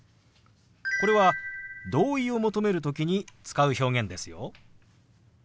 これは同意を求める時に使う表現ですよ。